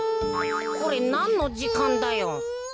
これなんのじかんだよ？